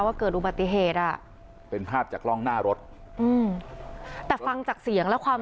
เกิดอุบัติเหตุอ่ะเป็นภาพจากกล้องหน้ารถอืมแต่ฟังจากเสียงและความ